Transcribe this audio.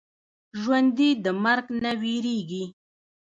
ژوندي د مرګ نه وېرېږي